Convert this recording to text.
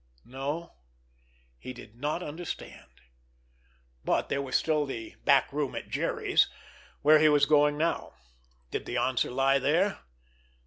No, he did not understand. But there was still the "back room at Jerry's"—where he was going now! Did the answer lie there?